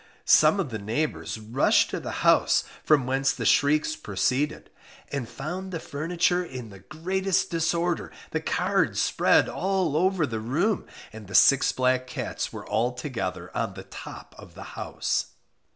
Some of the neighbours rushed to the house from whence the shrieks proceeded, and found the furniture in the greatest disorder, the cards spread all over the room, and the six black cats were altogether on the top of the house.